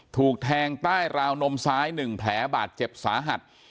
ถูกแทงใต้ราวนมซ้าย๑แผลบาดเจ็บสาหัส